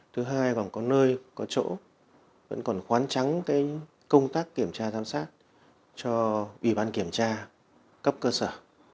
thứ hai còn có nơi có chỗ vẫn còn khoán trắng cái công tác kiểm tra giám sát cho ủy ban kiểm tra cấp cơ sở